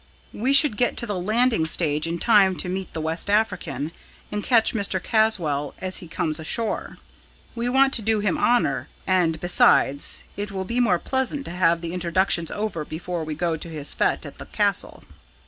We should get to the Landing Stage in time to meet the West African, and catch Mr. Caswall as he comes ashore. We want to do him honour and, besides, it will be more pleasant to have the introductions over before we go to his fete at the Castle."